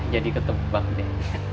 jadi ketebak deh